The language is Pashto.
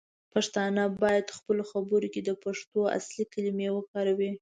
پښتانه باید پخپلو خبرو کې د پښتو اصلی کلمې وکاروي.